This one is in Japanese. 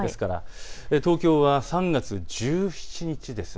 東京は３月１７日です。